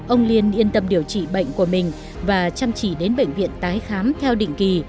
ông liên yên tâm điều trị bệnh của mình và chăm chỉ đến bệnh viện tái khám theo định kỳ